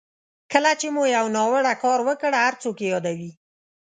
کله چې مو یو ناوړه کار وکړ هر څوک یې یادوي.